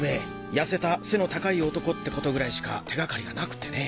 やせた背の高い男ってことぐらいしか手掛かりがなくてね。